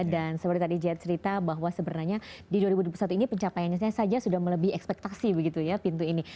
dan seperti tadi jeth cerita bahwa sebenarnya di dua ribu dua puluh satu ini pencapaiannya saja sudah melebihi ekspektasi begitu ya pintu ini